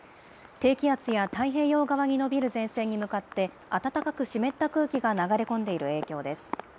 低気圧や太平洋側に延びる前線に向かって、暖かく湿った空気が流れ込んでいる影響です。